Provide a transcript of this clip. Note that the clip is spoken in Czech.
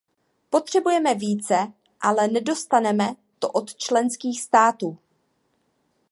Potřebujeme více, ale nedostaneme to od členských států.